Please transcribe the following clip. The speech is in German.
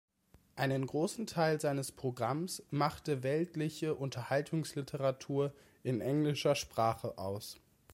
Einen großen Teil seines Programms machte weltliche Unterhaltungsliteratur in englischer Sprache aus.